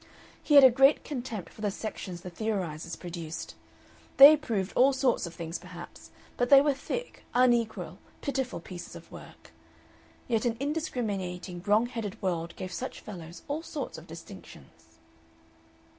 He had a great contempt for the sections the "theorizers" produced. They proved all sorts of things perhaps, but they were thick, unequal, pitiful pieces of work. Yet an indiscriminating, wrong headed world gave such fellows all sorts of distinctions....